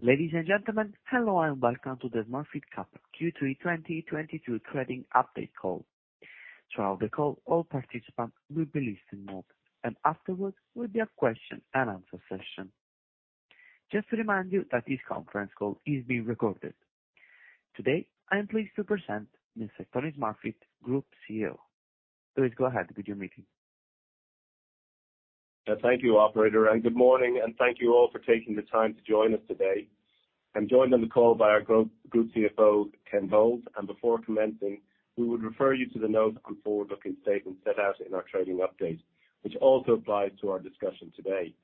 Ladies and gentlemen, hello and welcome to the Smurfit Kappa Q3 2022 trading update call. Throughout the call, all participants will be in listen-only mode, and afterwards there will be a question and answer session. Just to remind you that this conference call is being recorded. Today, I am pleased to present Mr. Tony Smurfit, Group CEO. Please go ahead with your meeting. Thank you, operator, and good morning, and thank you all for taking the time to join us today. I'm joined on the call by our Group CFO, Ken Bowles, and before commencing, we would refer you to the note on forward-looking statements set out in our trading update, which also applies to our discussion today.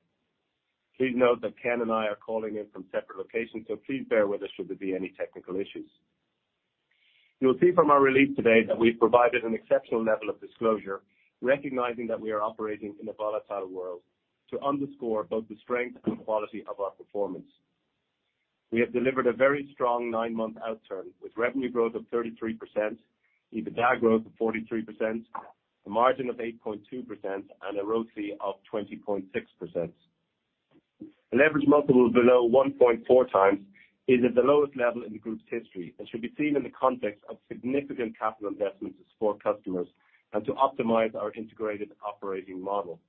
Please note that Ken and I are calling in from separate locations, so please bear with us should there be any technical issues. You'll see from our release today that we've provided an exceptional level of disclosure, recognizing that we are operating in a volatile world to underscore both the strength and quality of our performance. We have delivered a very strong nine-month outturn, with revenue growth of 33%, EBITDA growth of 43%, a margin of 8.2%, and a ROCE of 20.6%. A leverage multiple below 1.4x is at the lowest level in the group's history and should be seen in the context of significant capital investments to support customers and to optimize our integrated operating model.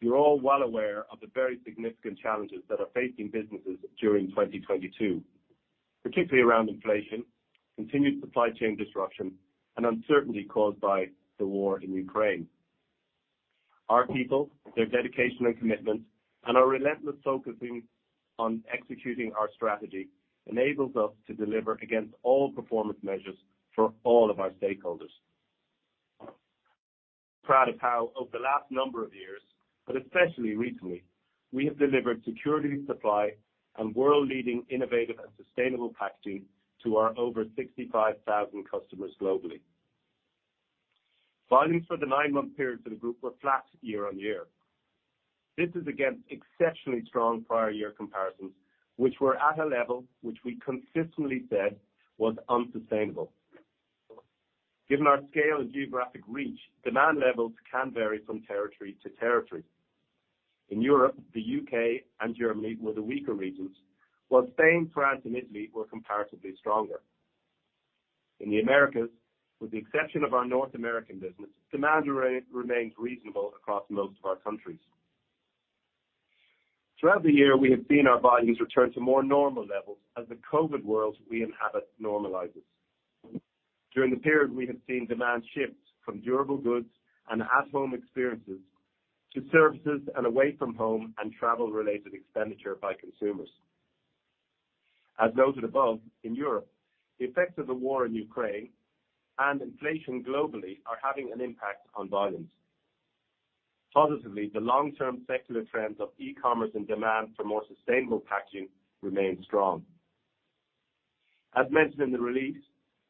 You're all well aware of the very significant challenges that are facing businesses during 2022, particularly around inflation, continued supply chain disruption, and uncertainty caused by the war in Ukraine. Our people, their dedication and commitment, and our relentless focusing on executing our strategy enables us to deliver against all performance measures for all of our stakeholders. Proud of how over the last number of years, but especially recently, we have delivered security, supply, and world-leading innovative and sustainable packaging to our over 65,000 customers globally. Volumes for the 9-month period for the group were flat year-on-year. This is against exceptionally strong prior year comparisons, which were at a level which we consistently said was unsustainable. Given our scale and geographic reach, demand levels can vary from territory to territory. In Europe, the U.K. and Germany were the weaker regions, while Spain, France, and Italy were comparatively stronger. In the Americas, with the exception of our North American business, demand remains reasonable across most of our countries. Throughout the year, we have seen our volumes return to more normal levels as the COVID world we inhabit normalizes. During the period, we have seen demand shift from durable goods and at-home experiences to services and away from home and travel-related expenditure by consumers. As noted above, in Europe, the effects of the war in Ukraine and inflation globally are having an impact on volumes. Positively, the long-term secular trends of e-commerce and demand for more sustainable packaging remain strong. As mentioned in the release,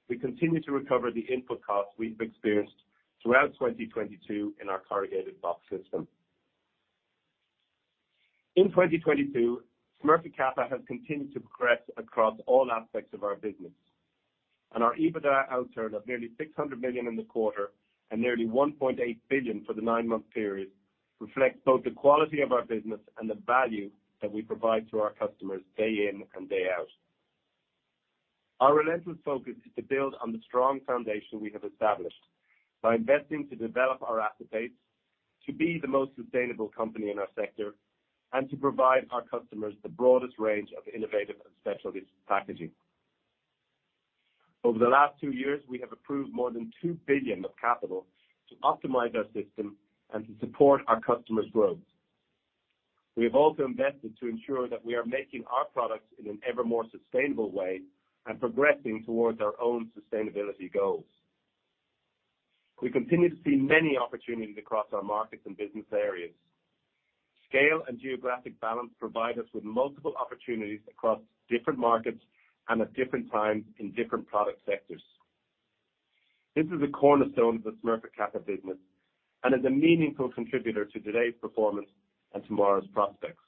we continue to recover the input costs we've experienced throughout 2022 in our corrugated box system. In 2022, Smurfit Kappa has continued to progress across all aspects of our business, and our EBITDA outturn of nearly 600 million in the quarter and nearly 1.8 billion for the nine-month period reflects both the quality of our business and the value that we provide to our customers day in and day out. Our relentless focus is to build on the strong foundation we have established by investing to develop our assets to be the most sustainable company in our sector and to provide our customers the broadest range of innovative and specialist packaging. Over the last two years, we have approved more than 2 billion of capital to optimize our system and to support our customers' growth. We have also invested to ensure that we are making our products in an ever more sustainable way and progressing towards our own sustainability goals. We continue to see many opportunities across our markets and business areas. Scale and geographic balance provide us with multiple opportunities across different markets and at different times in different product sectors. This is a cornerstone of the Smurfit Kappa business and is a meaningful contributor to today's performance and tomorrow's prospects.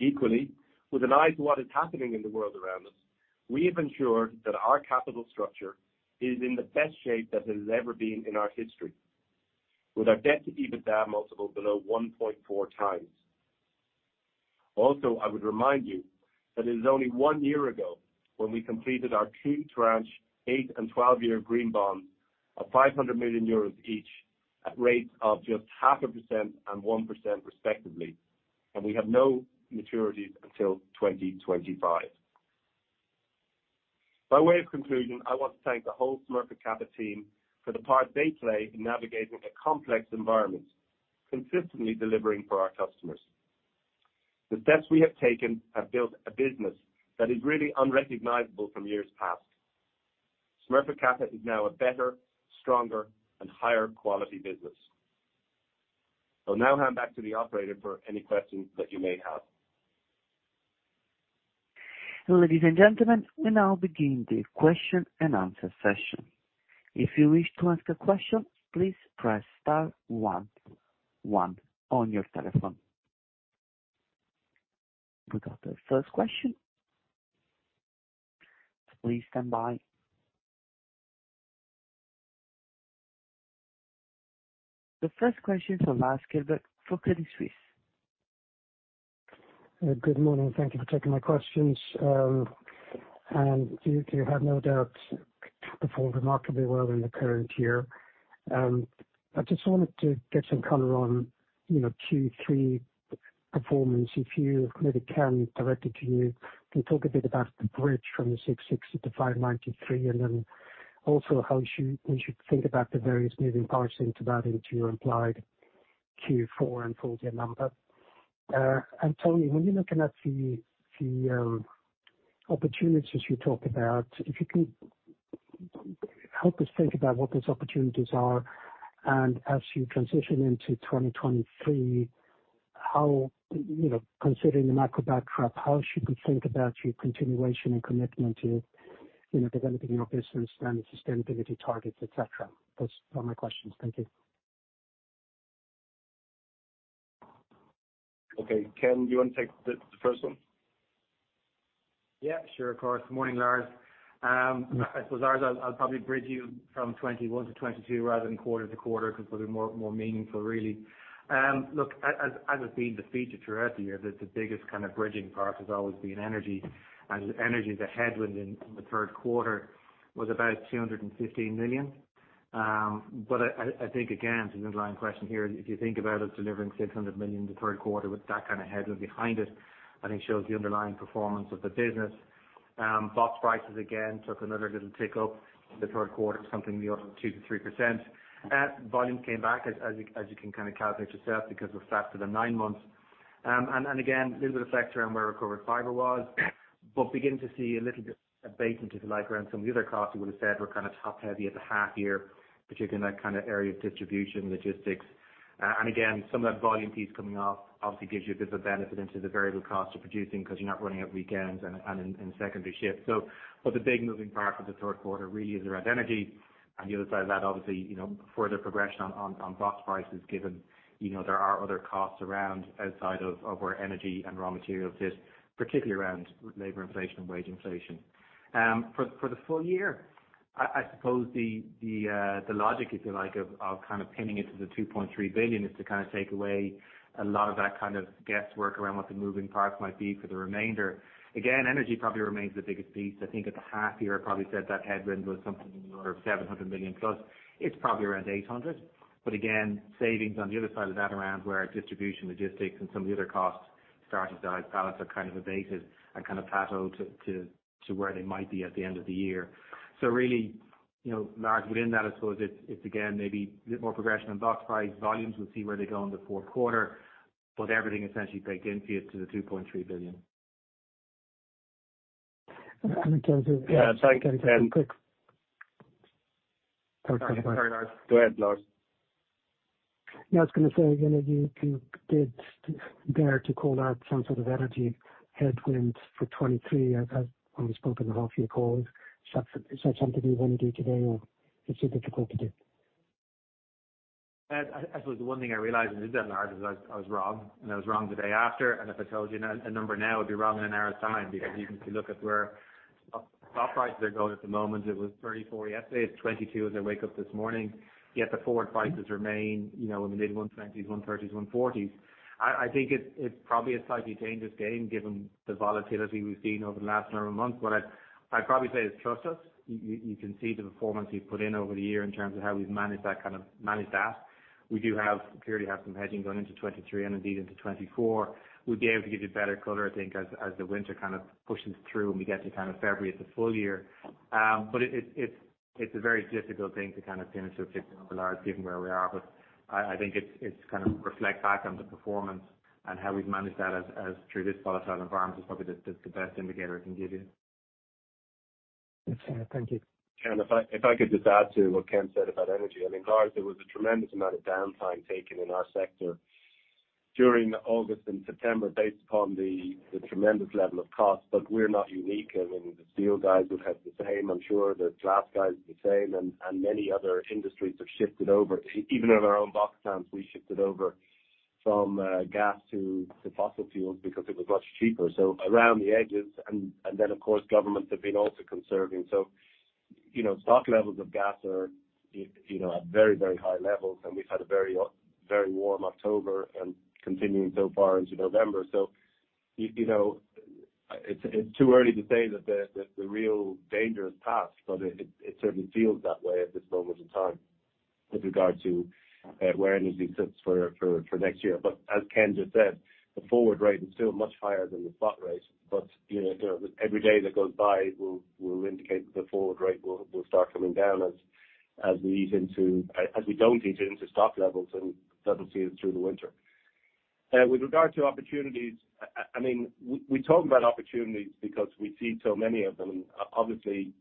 Equally, with an eye to what is happening in the world around us, we have ensured that our capital structure is in the best shape that it has ever been in our history. With our debt to EBITDA multiple below 1.4x. Also, I would remind you that it is only one year ago when we completed our two-tranche 8- and 12-year green bond of 500 million euros each at rates of just 0.5% and 1% respectively, and we have no maturities until 2025. By way of conclusion, I want to thank the whole Smurfit Kappa team for the part they play in navigating a complex environment, consistently delivering for our customers. The steps we have taken have built a business that is really unrecognizable from years past. Smurfit Kappa is now a better, stronger, and higher quality business. I'll now hand back to the operator for any questions that you may have. Ladies and gentlemen, we now begin the question and answer session. If you wish to ask a question, please press star one one on your telephone. We got the first question. Please stand by. The first question from Lars Kjellberg for Credit Suisse. Good morning. Thank you for taking my questions. You have no doubt performed remarkably well in the current year. I just wanted to get some color on, you know, Q3 performance. If I may, Ken, direct it to you, can talk a bit about the bridge from 660-593, and then also how we should think about the various moving parts into that, into your implied Q4 and full year number. Tony, when you're looking at the opportunities you talk about, if you could help us think about what those opportunities are, and as you transition into 2023, you know, considering the macro backdrop, how should we think about your continuation and commitment to, you know, developing your business and sustainability targets, et cetera? Those are my questions. Thank you. Okay. Ken, do you want to take the first one? Yeah, sure. Of course. Morning, Lars. I suppose, Lars, I'll probably bridge you from 2021 to 2022 rather than quarter to quarter because it'll be more meaningful, really. Look, as has been the feature throughout the year, the biggest kind of bridging part has always been energy. Energy, the headwind in the Q3 was about 215 million. I think again to the underlying question here, if you think about us delivering 600 million in the Q3 with that kind of headwind behind it, I think shows the underlying performance of the business. Box prices again took another little tick up in the Q3, something in the order of 2%-3%. Volume came back as you can kind of calculate yourself because we're flat for the nine months. And again, a little bit of factor on where recovered fiber was. Beginning to see a little bit of abating, if you like, around some of the other costs you would have said were kind of top heavy at the half year, particularly in that kind of area of distribution, logistics. And again, some of that volume piece coming off obviously gives you a bit of a benefit into the variable cost of producing because you're not running at weekends and in secondary shifts. The big moving part for the Q3 really is around energy. On the other side of that, obviously, you know, further progression on box prices given, you know, there are other costs around outside of where energy and raw materials sit, particularly around labor inflation and wage inflation. For the full year, I suppose the logic, if you like, of kind of pinning it to 2.3 billion is to kind of take away a lot of that kind of guesswork around what the moving parts might be for the remainder. Again, energy probably remains the biggest piece. I think at the half year, I probably said that headwind was something in the order of 700 million plus. It's probably around 800 million. Again, savings on the other side of that around where distribution, logistics, and some of the other costs started to outbalance or kind of abated and kind of plateaued to where they might be at the end of the year. Really, you know, Lars, within that I suppose it's again maybe a bit more progression on box price volumes. We'll see where they go in the Q4, but everything essentially baked into it to the 2.3 billion. In terms of. Yeah. Sorry, Ken. Quick. Sorry, Lars. Go ahead, Lars. Yeah, I was gonna say, you know, you did dare to call out some sort of energy headwind for 2023, as I've spoken on a few calls. Is that something you want to do today, or it's too difficult to do? I suppose the one thing I realized when I did that, Lars, is I was wrong, and I was wrong the day after. If I told you a number now, it would be wrong in an hour's time because you can look at where spot prices are going at the moment. It was 34 million yesterday. It's 22 million as I wake up this morning, yet the forward prices remain, you know, in the mid-120s, 130s, 140s. I think it's probably a slightly dangerous game given the volatility we've seen over the last number of months. What I'd probably say is trust us. You can see the performance we've put in over the year in terms of how we've managed that. We clearly have some hedging going into 2023 and indeed into 2024. We'd be able to give you better color, I think, as the winter kind of pushes through and we get to kind of February at the full year. It's a very difficult thing to kind of pin to a specific [to achieve labor]. I think it's kind of reflect back on the performance and how we've managed that as through this volatile environment is probably the best indicator I can give you. Okay. Thank you. Ken, if I could just add to what Ken said about energy. I mean, Lars, there was a tremendous amount of downtime taken in our sector during August and September based upon the tremendous level of cost, but we're not unique. I mean, the steel guys would have the same, I'm sure the glass guys the same, and many other industries have shifted over. Even in our own box plants, we shifted over from gas to fossil fuels because it was much cheaper. Around the edges, and then of course, governments have been also conserving. You know, stock levels of gas are you know, at very, very high levels, and we've had a very warm October and continuing so far into November. You know, it's too early to say that the real danger has passed, but it certainly feels that way at this moment in time with regard to where energy sits for next year. As Ken just said, the forward rate is still much higher than the spot rate. You know, every day that goes by will indicate that the forward rate will start coming down as we don't eat into stock levels and that will see us through the winter. With regard to opportunities, I mean, we talk about opportunities because we see so many of them. Obviously,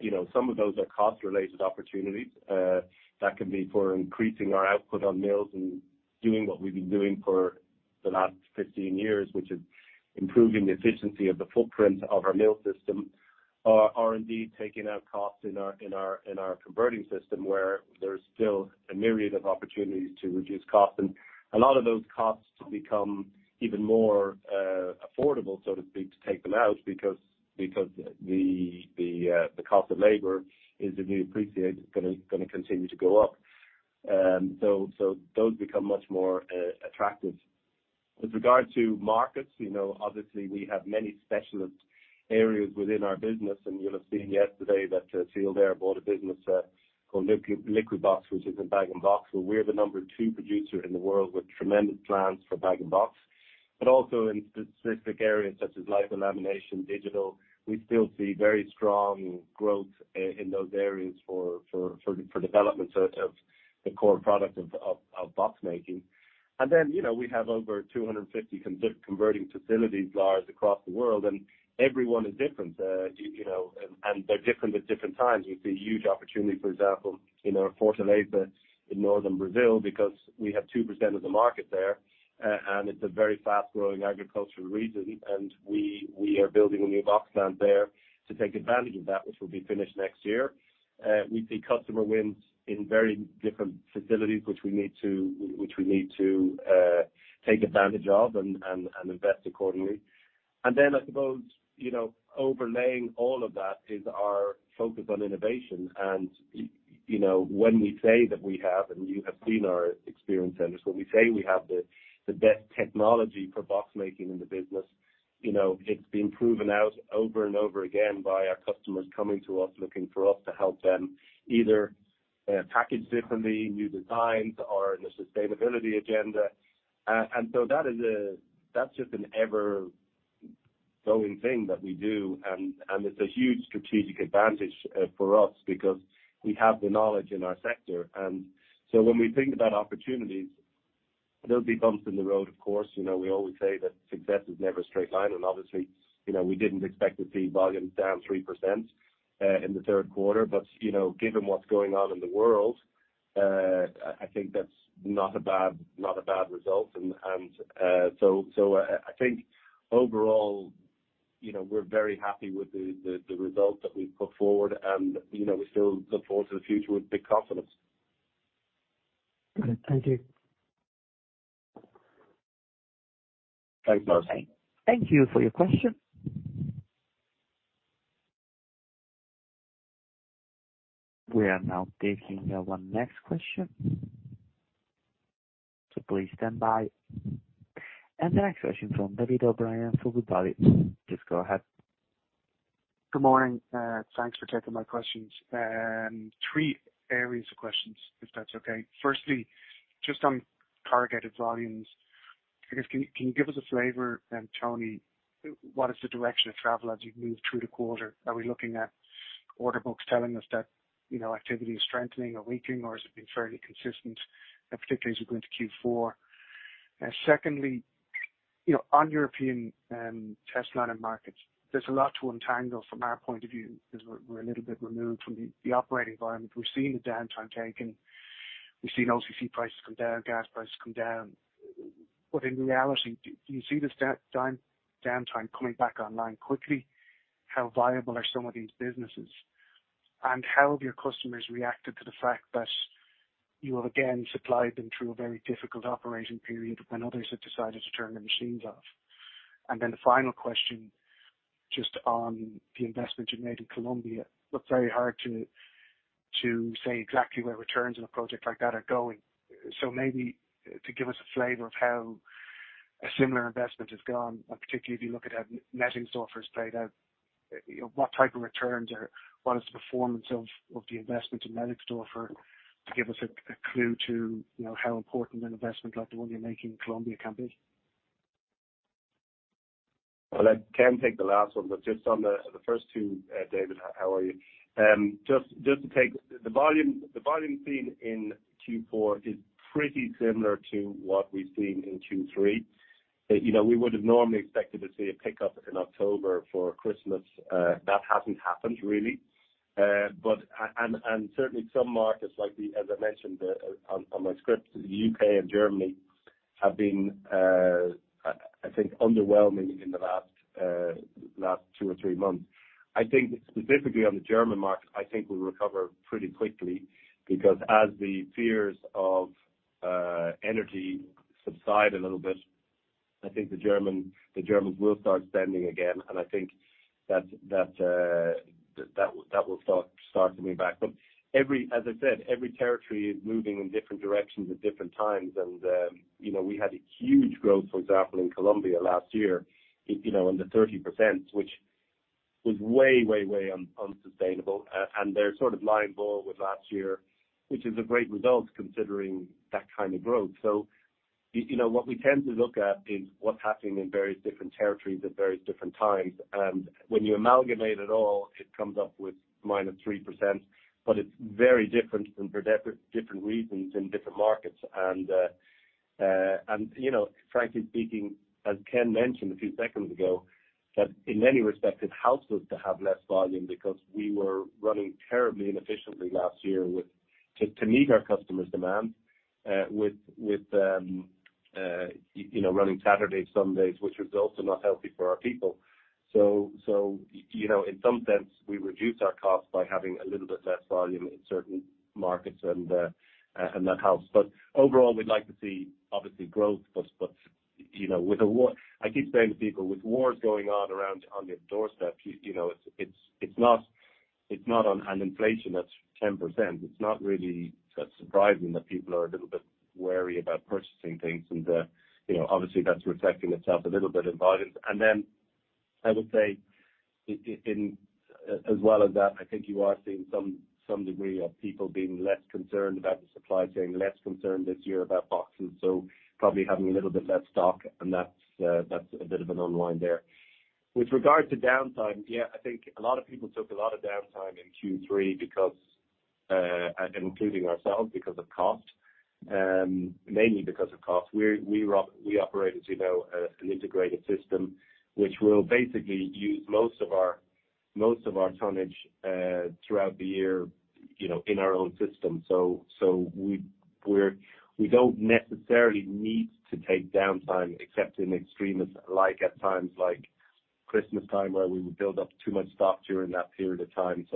you know, some of those are cost related opportunities that can be for increasing our output on mills and doing what we've been doing for the last 15 years, which is improving the efficiency of the footprint of our mill system. Our R&D taking out costs in our converting system, where there's still a myriad of opportunities to reduce costs. A lot of those costs become even more affordable, so to speak, to take them out because the cost of labor is, if we appreciate, gonna continue to go up. Those become much more attractive. With regard to markets, you know, obviously, we have many specialist areas within our business, and you'll have seen yesterday that Sealed Air bought a business called Liquibox, which is in bag and box, where we're the number two producer in the world with tremendous plans for bag and box. Also in specific areas such as label lamination, digital, we still see very strong growth in those areas for development of the box making. You know, we have over 250 converting facilities of ours across the world, and every one is different. You know, and they're different at different times. We see huge opportunity, for example, in our Fortaleza in Northern Brazil because we have 2% of the market there. It's a very fast-growing agricultural region, and we are building a new box plant there to take advantage of that, which will be finished next year. We see customer wins in very different facilities, which we need to take advantage of and invest accordingly. Then I suppose, you know, overlaying all of that is our focus on innovation. You know, when we say that we have, and you have seen our experience centers, when we say we have the best technology for box making in the business, you know, it's been proven out over and over again by our customers coming to us, looking for us to help them either package differently, new designs or in a sustainability agenda. So that is a... That's just an ever-growing thing that we do and it's a huge strategic advantage for us because we have the knowledge in our sector. When we think about opportunities, there'll be bumps in the road, of course. You know, we always say that success is never a straight line. Obviously, you know, we didn't expect to see volume down 3% in the Q3. You know, given what's going on in the world, I think that's not a bad result. I think overall, you know, we're very happy with the result that we've put forward. You know, we still look forward to the future with big confidence. Okay. Thank you. Thanks, Lars Kjellberg. Thank you for your question. We are now taking our next question, so please stand by. The next question from David O'Brien from Goodbody. Please go ahead. Good morning. Thanks for taking my questions. Three areas of questions, if that's okay. Firstly, just on corrugated volumes. I guess, can you give us a flavor, and Tony, what is the direction of travel as you move through the quarter? Are we looking at order books telling us that, you know, activity is strengthening or weakening, or has it been fairly consistent, particularly as we go into Q4? Secondly, you know, on European testliner and markets, there's a lot to untangle from our point of view 'cause we're a little bit removed from the operating environment. We've seen the downtime taken, we've seen OCC prices come down, gas prices come down. But in reality, do you see this downtime coming back online quickly? How viable are some of these businesses? How have your customers reacted to the fact that you have again supplied them through a very difficult operating period when others have decided to turn their machines off? The final question, just on the investment you made in Colombia. It's very hard to say exactly where returns on a project like that are going. Maybe to give us a flavor of how a similar investment has gone, and particularly if you look at how Nettingsdorf has played out, you know, what type of returns or what is the performance of the investment in Nettingsdorf to give us a clue to, you know, how important an investment like the one you're making in Colombia can be. Well, I can take the last one, but just on the first two, David, how are you? Just to take the volume, the volume seen in Q4 is pretty similar to what we've seen in Q3. You know, we would have normally expected to see a pickup in October for Christmas. That hasn't happened really. But certainly some markets like the, as I mentioned, on my script, the UK and Germany have been, I think underwhelming in the last two or three months. I think specifically on the German market, I think we'll recover pretty quickly because as the fears of energy subside a little bit, I think the Germans will start spending again, and I think that will start to move back. Every, as I said, every territory is moving in different directions at different times. You know, we had a huge growth, for example, in Colombia last year, you know, in the 30%, which was way unsustainable. They're sort of in line with last year, which is a great result considering that kind of growth. You know, what we tend to look at is what's happening in various different territories at various different times. When you amalgamate it all, it comes up with -3%, but it's very different and for different reasons in different markets. You know, frankly speaking, as Ken mentioned a few seconds ago, that in many respects it helps us to have less volume because we were running terribly inefficiently last year with to meet our customers' demand, with you know, running Saturdays, Sundays, which was also not healthy for our people. You know, in some sense, we reduced our costs by having a little bit less volume in certain markets and that helps. Overall, we'd like to see obviously growth, but you know, I keep saying to people, with wars going on around the doorstep, you know, it's not with an inflation that's 10%, it's not really surprising that people are a little bit wary about purchasing things. You know, obviously that's reflecting itself a little bit in volumes. Then I would say in, as well as that, I think you are seeing some degree of people being less concerned about the supply chain, less concerned this year about boxes, so probably having a little bit less stock. That's a bit of an outlier there. With regard to downtime, yeah, I think a lot of people took a lot of downtime in Q3 because, including ourselves, because of cost, mainly because of cost. We operate as, you know, an integrated system, which will basically use most of our tonnage throughout the year, you know, in our own system. We're not necessarily need to take downtime except in extremes, like at times like Christmas time, where we would build up too much stock during that period of time.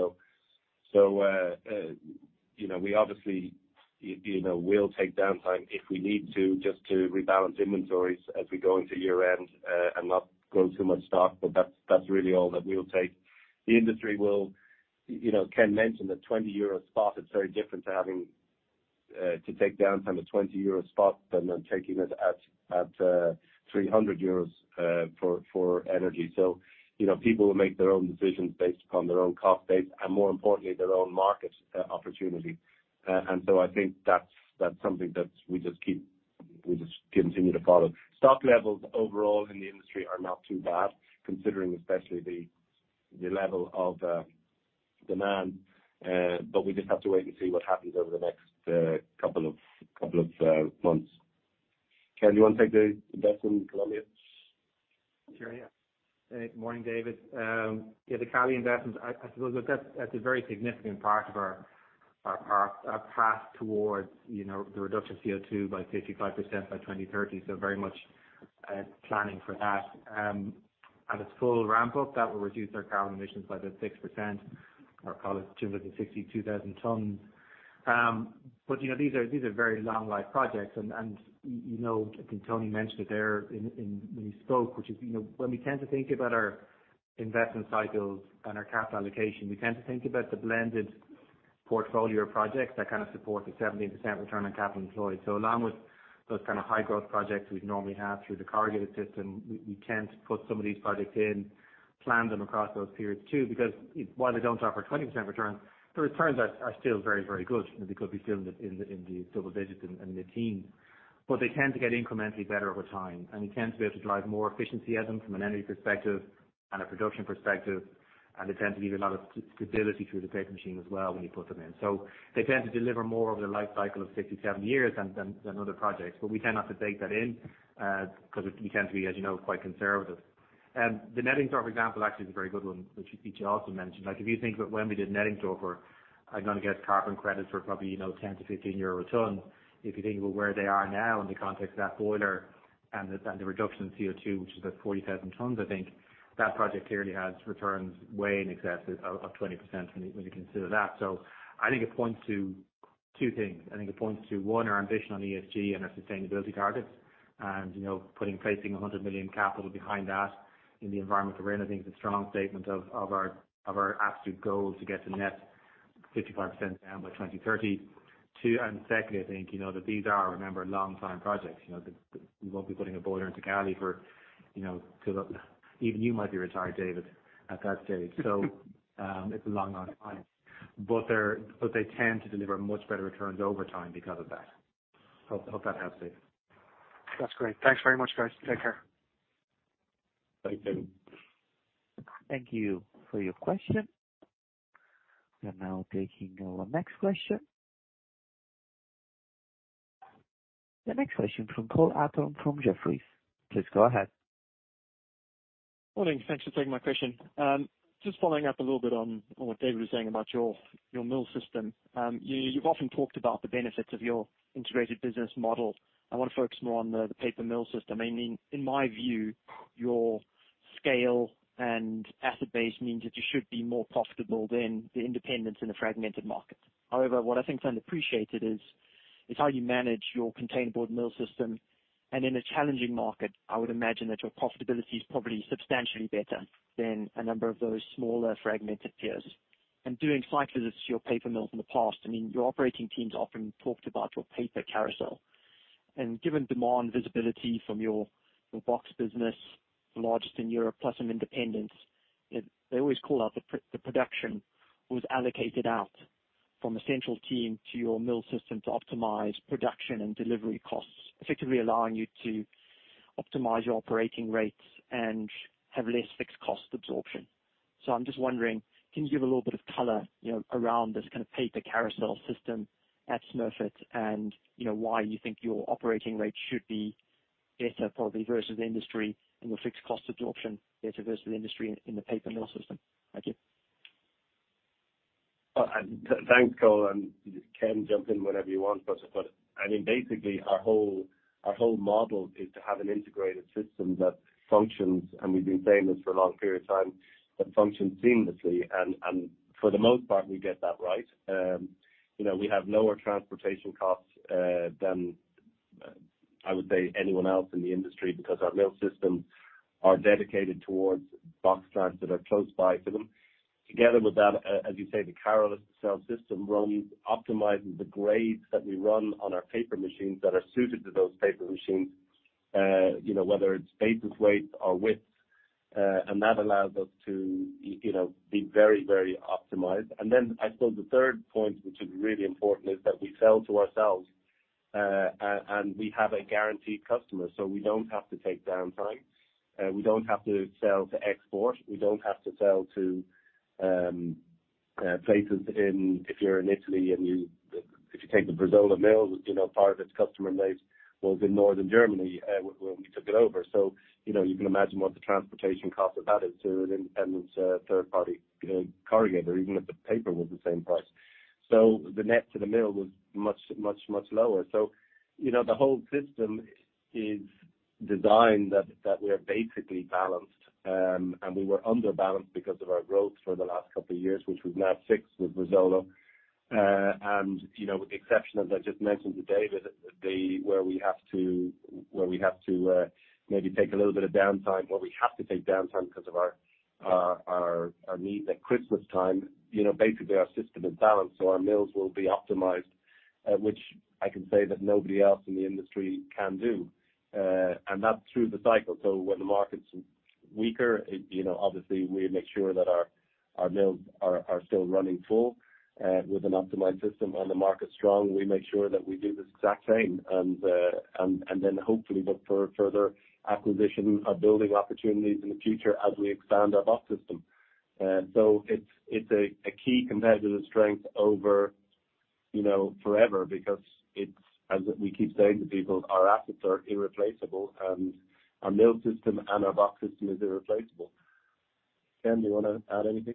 You know, we obviously, you know, will take downtime if we need to, just to rebalance inventories as we go into year-end and not grow too much stock. But that's really all that we'll take. The industry will. You know, Ken mentioned the 20 euro spot. It's very different to having to take downtime at 20 euro spot than taking it at 300 euros for energy. You know, people will make their own decisions based upon their own cost base and more importantly, their own market opportunity. I think that's something that we just continue to follow. Stock levels overall in the industry are not too bad, considering especially the level of demand. We just have to wait and see what happens over the next couple of months. Ken, do you want to take the investment in Colombia? Sure, yeah. Morning, David. Yeah, the Cali investment, I suppose that's a very significant part of our path towards, you know, the reduction of CO2 by 55% by 2030. Very much planning for that. At its full ramp-up, that will reduce our carbon emissions by about 6% or call it 262,000 tons. But you know, these are very long life projects. You know, I think Tony mentioned it there in when he spoke, which is, you know. When we tend to think about our investment cycles and our capital allocation, we tend to think about the blended portfolio of projects that kind of support the 17% return on capital employed. Along with those kind of high growth projects we'd normally have through the corrugated system, we tend to put some of these projects in, plan them across those periods too. Because while they don't offer 20% return, the returns are still very, very good, because we feel in the double digits and the teens. They tend to get incrementally better over time, and we tend to be able to drive more efficiency at them from an energy perspective and a production perspective. They tend to give you a lot of stability through the paper machine as well when you put them in. They tend to deliver more over their life cycle of 60, 70 years than other projects. We kind of have to bake that in, 'cause we tend to be, as you know, quite conservative. The Nettingsdorf example actually is a very good one, which you also mentioned. Like, if you think about when we did Nettingsdorf, I'm gonna get carbon credits for probably, you know, 10-15 euro a ton. If you think about where they are now in the context of that boiler and the reduction in CO2, which is about 40,000 tons, I think that project clearly has returns way in excess of 20% when you consider that. I think it points to two things. I think it points to, one, our ambition on ESG and our sustainability targets. You know, placing 100 million capital behind that in the environment we're in, I think is a strong statement of our absolute goal to get to net 55% down by 2030. Too, secondly, I think you know that these are, remember, long-term projects. You know, we won't be putting a boiler into Cali for, you know, till even you might be retired, David, at that stage. It's a long lifetime. But they tend to deliver much better returns over time because of that. Hope that helps, David. That's great. Thanks very much, guys. Take care. Thank you. Thank you for your question. We're now taking our next question. The next question from Cole Hathorn from Jefferies. Please go ahead. Morning. Thanks for taking my question. Just following up a little bit on what David was saying about your mill system. You've often talked about the benefits of your integrated business model. I want to focus more on the paper mill system. I mean, in my view, your scale and asset base means that you should be more profitable than the independents in the fragmented market. However, what I think is unappreciated is how you manage your containerboard mill system. In a challenging market, I would imagine that your profitability is probably substantially better than a number of those smaller fragmented peers. Doing site visits to your paper mills in the past, I mean, your operating teams often talked about your paper carousel. Given demand visibility from your box business, the largest in Europe, plus some independents, they always call out the production was allocated out from a central team to your mill system to optimize production and delivery costs, effectively allowing you to optimize your operating rates and have less fixed cost absorption. I'm just wondering, can you give a little bit of color, you know, around this kind of paper carousel system at Smurfit and you know, why you think your operating rates should be better, probably versus industry and your fixed cost absorption better versus the industry in the paper mill system? Thank you. Thanks, Cole, and Ken, jump in whenever you want. I mean, basically our whole model is to have an integrated system that functions, and we've been saying this for a long period of time, that functions seamlessly. For the most part, we get that right. You know, we have lower transportation costs than I would say anyone else in the industry because our mill systems are dedicated towards box plants that are close by to them. Together with that, as you say, the carousel system runs optimizing the grades that we run on our paper machines that are suited to those paper machines, you know, whether it's basis weight or width, and that allows us to, you know, be very, very optimized. I suppose the third point, which is really important, is that we sell to ourselves, and we have a guaranteed customer, so we don't have to take downtime. We don't have to sell to export. We don't have to sell to places in if you're in Italy, if you take the Verzuolo mill, you know, part of its customer base was in northern Germany, when we took it over. You know, you can imagine what the transportation cost of that is to an independent third party, you know, corrugator, even if the paper was the same price. The net to the mill was much, much, much lower. You know, the whole system is designed that we are basically balanced, and we were under-balanced because of our growth for the last couple of years, which we've now fixed with Verzuolo. And you know, with the exception, as I just mentioned today, where we have to maybe take a little bit of downtime, where we have to take downtime because of our need at Christmas time, you know, basically our system is balanced, so our mills will be optimized, which I can say that nobody else in the industry can do. And that's through the cycle. When the market's weaker, it you know, obviously we make sure that our mills are still running full, with an optimized system. When the market's strong, we make sure that we do the exact same. Hopefully look for further acquisition of building opportunities in the future as we expand our box system. It's a key competitive strength over, you know, forever because it's, as we keep saying to people, our assets are irreplaceable and our mill system and our box system is irreplaceable. Ken, do you wanna add anything?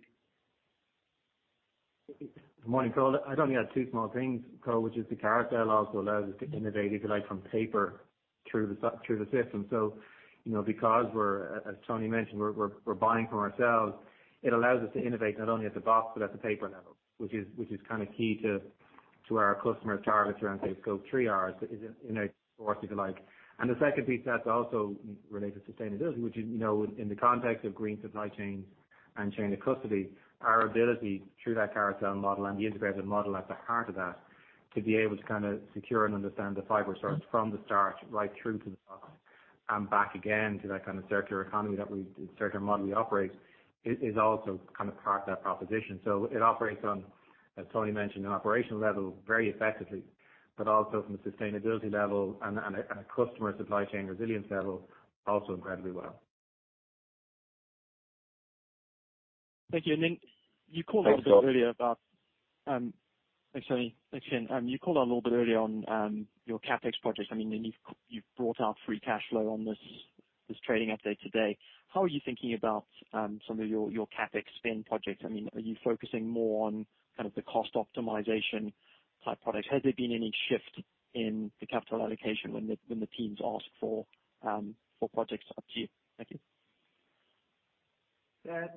Good morning, Cole. I'd only add two small things, Cole, which is the carousel also allows us to innovate, if you like, from paper through the system. You know, because we're, as Tony mentioned, we're buying from ourselves, it allows us to innovate not only at the box but at the paper level, which is kind of key to our customer targets around, say, Scope 3, so as in a source, if you like. The second piece that's also related to sustainability, which is, you know, in the context of green supply chains and chain of custody, our ability through that circular model and the integrated model at the heart of that to be able to kind of secure and understand the fiber source from the start right through to the box and back again to that kind of circular economy, circular model we operate is also kind of part of that proposition. It operates on, as Tony mentioned, an operational level very effectively, but also from a sustainability level and a customer supply chain resilience level also incredibly well. Thank you. You called out a bit earlier about, Thanks, Cole. Thanks, Tony. Thanks, Ken. You called out a little bit earlier on, your CapEx projects. I mean, you've brought out free cash flow on this trading update today. How are you thinking about, some of your CapEx spend projects? I mean, are you focusing more on kind of the cost optimization type products? Has there been any shift in the capital allocation when the teams ask for projects up to you? Thank you.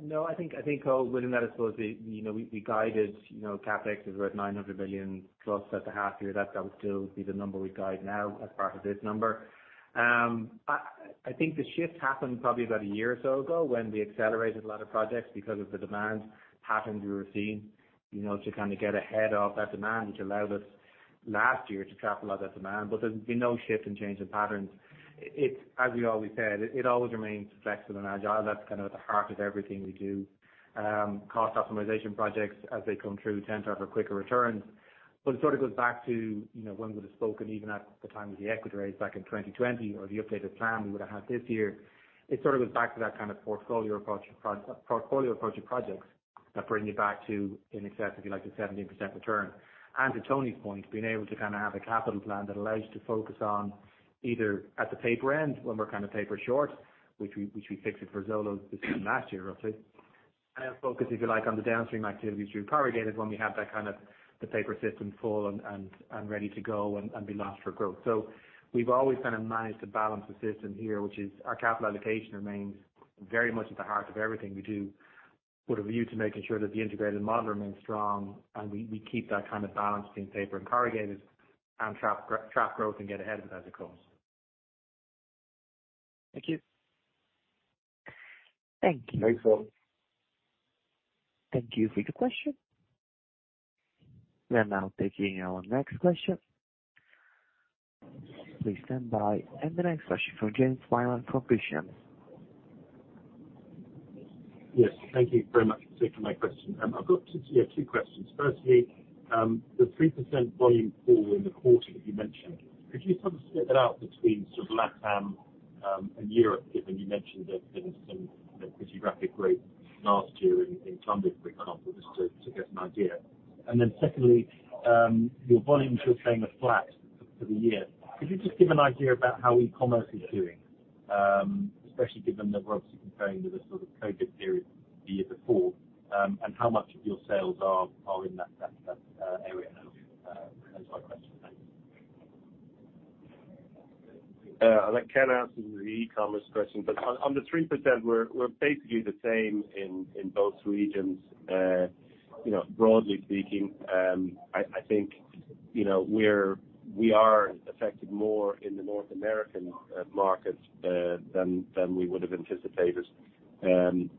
No, I think, Cole, within that I suppose, you know, we guided, you know, CapEx is worth 900 million plus at the half year. That would still be the number we guide now as part of this number. I think the shift happened probably about a year or so ago when we accelerated a lot of projects because of the demand patterns we were seeing, you know, to kind of get ahead of that demand, which allowed us last year to trap a lot of demand. There's been no shift in change in patterns. It's as we always said, it always remains flexible and agile. That's kind of at the heart of everything we do. Cost optimization projects, as they come through, tend to have a quicker return. It sort of goes back to, you know, when we'd have spoken even at the time of the equity raise back in 2020 or the updated plan we would have had this year, it sort of goes back to that kind of portfolio approach, portfolio approach of projects that bring you back to in excess of, if you like, the 17% return. To Tony's point, being able to kind of have a capital plan that allows you to focus on either at the paper end when we're kind of paper short, which we fixed at Verzuolo this time last year, roughly. Then focus, if you like, on the downstream activities through corrugated when we have that kind of the paper system full and ready to go and be launched for growth. We've always kind of managed to balance the system here, which is our capital allocation remains very much at the heart of everything we do with a view to making sure that the integrated model remains strong and we keep that kind of balance between paper and corrugated and trap growth and get ahead of it as it comes. Thank you. Thank you. Thanks, Cole. Thank you for the question. We are now taking our next question. Please stand by. The next question from [James Ainley from Citigroup]. Yes. Thank you very much for taking my question. I've got two questions. Firstly, the 3% volume fall in the quarter that you mentioned, could you sort of split that out between sort of LatAm and Europe, given you mentioned there'd been some, you know, pretty rapid growth last year in Colombia, for example, just to get an idea. Secondly, your volumes you're saying are flat for the year. Could you just give an idea about how e-commerce is doing, especially given that we're obviously comparing with a sort of COVID period the year before, and how much of your sales are in that area now? Those are my questions. Thanks. I'll let Ken answer the e-commerce question. On the 3%, we're basically the same in both regions. You know, broadly speaking, I think, you know, we are affected more in the North American markets than we would have anticipated. Even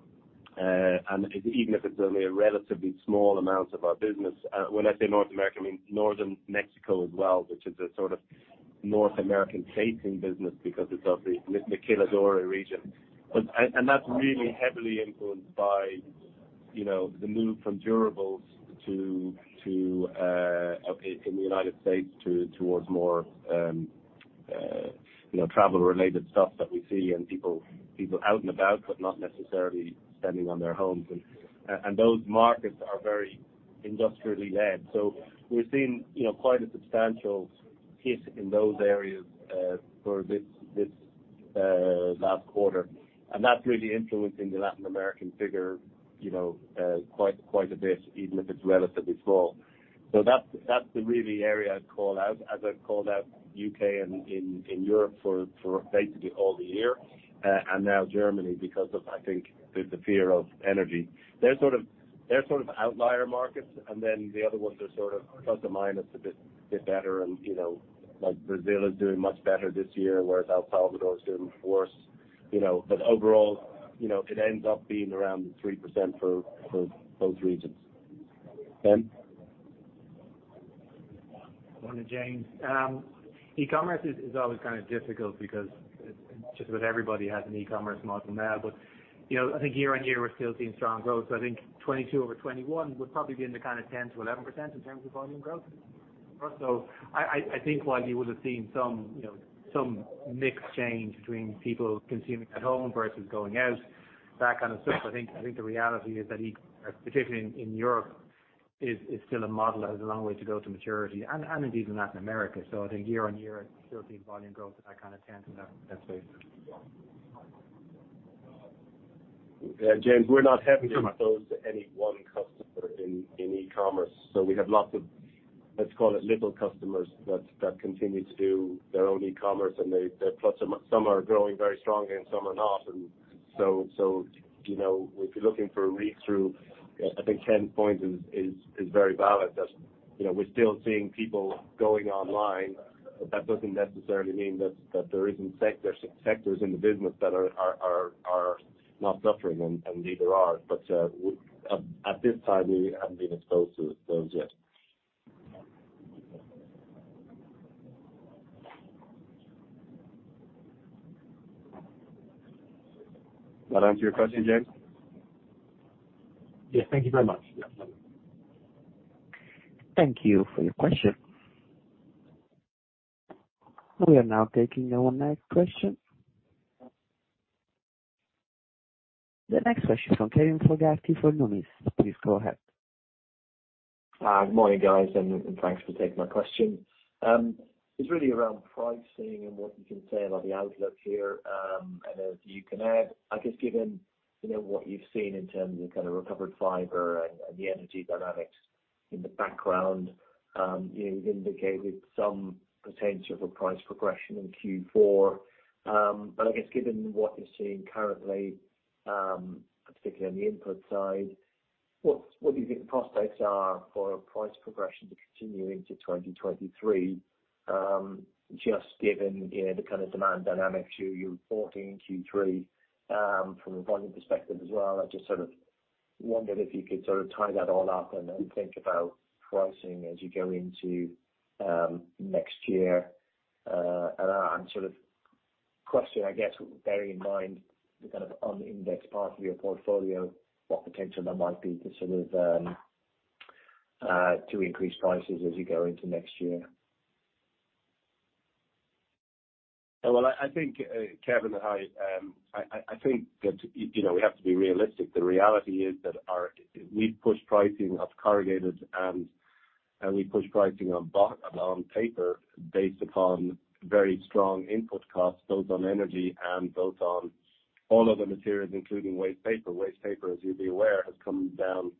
if it's only a relatively small amount of our business. When I say North American, I mean Northern Mexico as well, which is a sort of North American-facing business because it's of the Matamoros region. That's really heavily influenced by, you know, the move from durables towards more, you know, travel-related stuff that we see and people out and about, but not necessarily spending on their homes. Those markets are very industrially led. We're seeing, you know, quite a substantial hit in those areas for this last quarter. That's really influencing the Latin American figure, you know, quite a bit, even if it's relatively small. That's the really area I'd call out, as I've called out UK and in Europe for basically all the year, and now Germany because of, I think, the fear of energy. They're sort of outlier markets, and then the other ones are sort of plus or minus a bit better. You know, like Brazil is doing much better this year, whereas El Salvador is doing worse, you know. Overall, you know, it ends up being around 3% for both regions. Ken? Morning, James. E-commerce is always kind of difficult because just about everybody has an e-commerce model now. You know, I think year-over-year, we're still seeing strong growth. I think 2022 over 2021 would probably be in the kind of 10%-11% in terms of volume growth. I think while you would have seen some, you know, some mix change between people consuming at home versus going out, that kind of stuff, I think the reality is that e-commerce, particularly in Europe, is still a model that has a long way to go to maturity and indeed in Latin America. I think year-over-year, it's still seeing volume growth of that kind of 10%-11%. Yeah. James, we're not heavily exposed to any one customer in e-commerce. So we have lots of, let's call it little customers that continue to do their own e-commerce. Plus some are growing very strongly and some are not. You know, if you're looking for a read-through, I think Ken's point is very valid that, you know, we're still seeing people going online, but that doesn't necessarily mean that there isn't sectors in the business that are not suffering and neither are. At this time, we haven't been exposed to those yet. That answer your question, James? Yes. Thank you very much. Thank you for your question. We are now taking our next question. The next question from Kevin McGeehan for Numis. Please go ahead. Good morning, guys, and thanks for taking my question. It's really around pricing and what you can say about the outlook here. As you can see, I guess, given, you know, what you've seen in terms of kind of recovered fiber and the energy dynamics in the background, you indicated some potential for price progression in Q4. I guess given what you're seeing currently, particularly on the input side, what do you think the prospects are for a price progression to continue into 2023, just given, you know, the kind of demand dynamics you reported in Q3, from a volume perspective as well? I just sort of wondered if you could sort of tie that all up and then think about pricing as you go into next year. Sort of question, I guess, bearing in mind the kind of unindexed part of your portfolio, what potential there might be to sort of to increase prices as you go into next year. Well, I think, Kevin, I think that, you know, we have to be realistic. The reality is that our. We've pushed pricing of corrugated and we've pushed pricing on paper based upon very strong input costs, both on energy and both on all other materials, including waste paper. Waste paper, as you'd be aware, has come down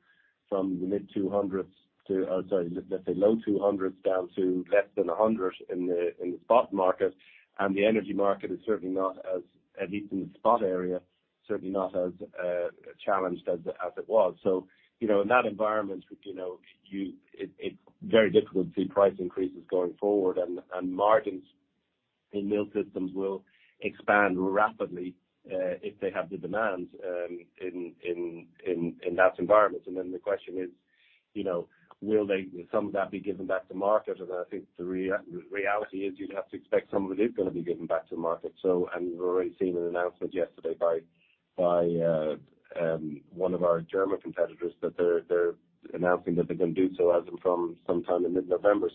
from EUR mid-200s to. Or sorry, let's say low 200s down to less than 100 in the spot market. The energy market is certainly not as, at least in the spot area, certainly not as challenged as it was. You know, in that environment, you know, you. It's very difficult to see price increases going forward, and margins in mill systems will expand rapidly if they have the demands in that environment. Then the question is, you know, will some of that be given back to market? I think the reality is you'd have to expect some of it is gonna be given back to market. We've already seen an announcement yesterday by one of our German competitors that they're announcing that they're gonna do so as from sometime in mid-November.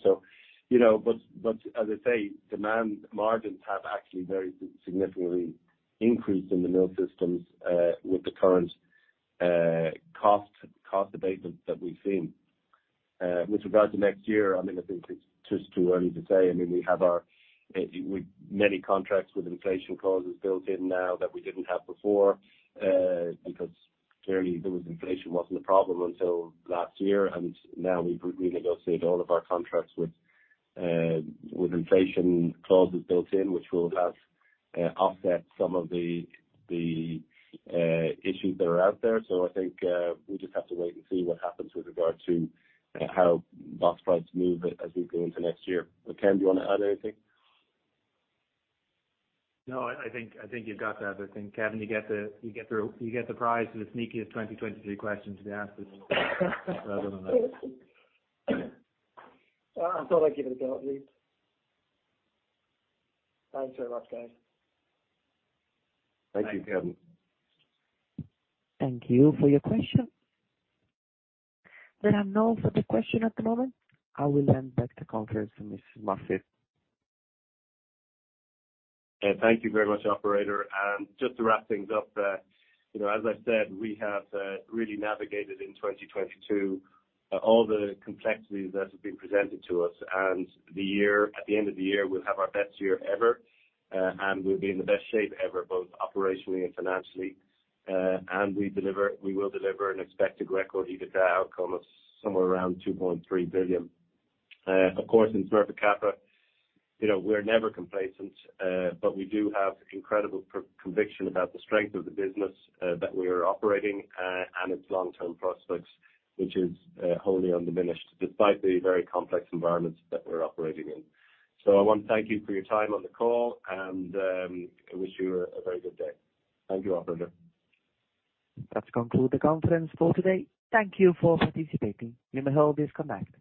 You know, but as I say, demand margins have actually very significantly increased in the mill systems with the current cost abatement that we've seen. With regards to next year, I mean, I think it's just too early to say. I mean, many contracts with inflation clauses built in now that we didn't have before, because clearly there was—inflation wasn't a problem until last year. Now we've renegotiated all of our contracts with inflation clauses built in, which will help offset some of the issues that are out there. I think we just have to wait and see what happens with regard to how box prices move as we go into next year. Ken, do you wanna add anything? No, I think you've got that. I think, Kevin, you get the prize for the sneakiest 2023 question to be asked. Other than that. I thought I'd give it a go at least. Thanks very much, guys. Thank you, Kevin. Thank you for your question. We have no further question at the moment. I will hand back to conference to Mr. Smurfit. Yeah. Thank you very much, operator. Just to wrap things up, you know, as I said, we have really navigated in 2022 all the complexities that have been presented to us. The year, at the end of the year, we'll have our best year ever, and we'll be in the best shape ever, both operationally and financially. We will deliver an expected record EBITDA outcome of somewhere around 2.3 billion. Of course, in Smurfit Kappa, you know, we're never complacent, but we do have incredible conviction about the strength of the business that we are operating and its long-term prospects, which is wholly undiminished despite the very complex environments that we're operating in. I want to thank you for your time on the call, and, I wish you a very good day. Thank you, operator. That concludes the conference for today. Thank you for participating. Your line is now disconnected.